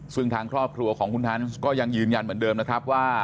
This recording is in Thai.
ซึ่งทางครอบครัวของคุณฮันส์ก็ยังยืนยันเหมือนเดิมนะครับว่า